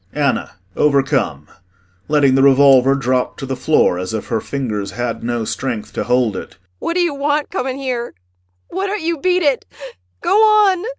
ANNA [Overcome letting the revolver drop to the floor, as if her fingers had no strength to hold it hysterically.] What d'you want coming here? Why don't you beat it? Go on!